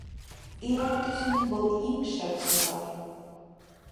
Ир-ат өсөн был иң шәп сифат...